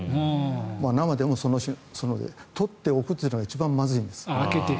生でも取っておくというのが一番まずいんです。